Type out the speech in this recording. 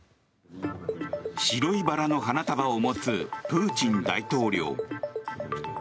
白いバラの花束を持つプーチン大統領。